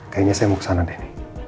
kayaknya saya mau ke sana deh